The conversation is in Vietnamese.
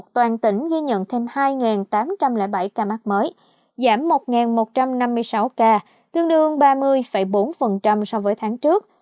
toàn tỉnh ghi nhận thêm hai tám trăm linh bảy ca mắc mới giảm một một trăm năm mươi sáu ca tương đương ba mươi bốn so với tháng trước